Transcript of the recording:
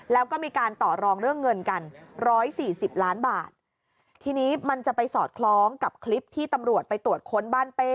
แล้วก็มีการต่อรองเรื่องเงินกันร้อยสี่สิบล้านบาททีนี้มันจะไปสอดคล้องกับคลิปที่ตำรวจไปตรวจค้นบ้านเป้